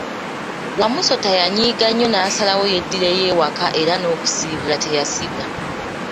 Wamusota yanyiiga nnyo nasalawo yeddireyo ewaka era n'okisiibula teyasiibula.